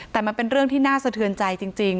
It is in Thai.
แต่มันเป็นเรื่องที่น่าสะเทือนใจจริง